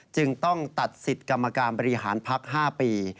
จึงต้องตัดสิทธิ์กรรมการบริหารพัก๕ปี